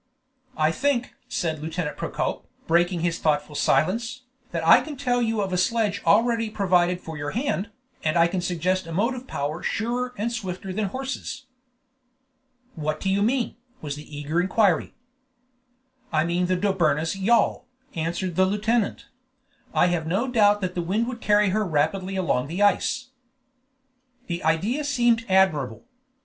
"I think," said Lieutenant Procope, breaking his thoughtful silence, "that I can tell you of a sledge already provided for your hand, and I can suggest a motive power surer and swifter than horses." "What do you mean?" was the eager inquiry. "I mean the Dobryna's yawl," answered the lieutenant; "and I have no doubt that the wind would carry her rapidly along the ice." The idea seemed admirable.